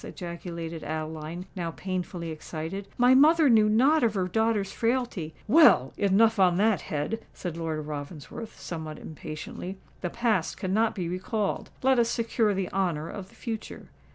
ejaculated Adeline, now painfully excited. "My mother knew not of her daughter's frailty——" "Well—enough on that head!" said Lord Ravensworth, somewhat impatiently. "The past cannot be recalled: let us secure the honour of the future.